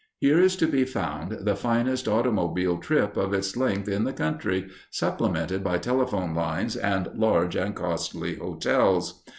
Here is to be found the finest automobile trip of its length in the country, supplemented by telephone lines and large and costly hotels.